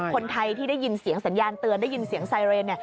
คนไทยที่ได้ยินเสียงสัญญาณเตือนได้ยินเสียงไซเรน